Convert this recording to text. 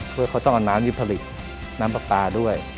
เพื่อเขาต้องเอาน้ำนี้ผลิตน้ำปลาด้วย